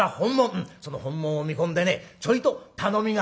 「うんその本物を見込んでねちょいと頼みが」。